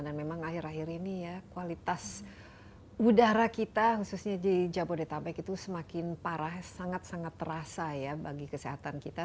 dan memang akhir akhir ini ya kualitas udara kita khususnya di jabodetabek itu semakin parah sangat sangat terasa ya bagi kesehatan kita